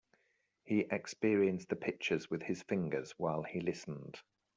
He experienced the pictures with his fingers while he listened.